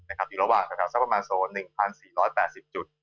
อยู่ระหว่างกับเขาสักประมาณภูมิ๑๔๘๐จุด